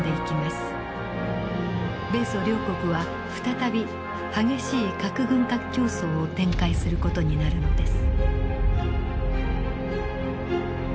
米ソ両国は再び激しい核軍拡競争を展開する事になるのです。